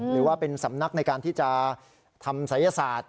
หรือว่าเป็นสำนักในการที่จะทำศัยศาสตร์